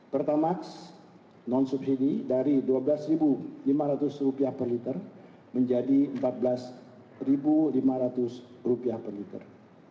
pertamax non subsidi dari rp dua belas lima ratus per liter menjadi rp empat belas lima ratus per liter